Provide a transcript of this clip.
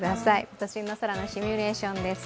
都心の空のシミュレーションです。